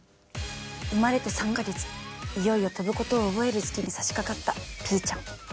生まれて３か月いよいよ飛ぶことを覚える時期にさしかかったピーちゃん。